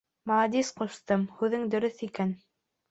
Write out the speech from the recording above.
— Молодец, ҡустым, һүҙең дөрөҫ икән.